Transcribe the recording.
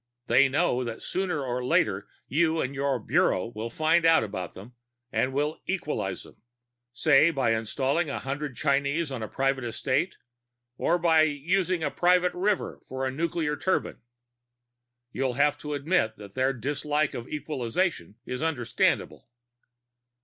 They know that sooner or later you and your Bureau will find out about them and will equalize them ... say, by installing a hundred Chinese on a private estate, or by using a private river for a nuclear turbine. You'll have to admit that their dislike of equalization is understandable."